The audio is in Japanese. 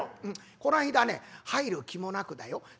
「うんこないだね入る気もなくだよ